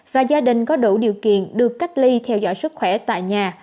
và gia đình có đủ điều kiện được cách ly theo dõi sức khỏe tại nhà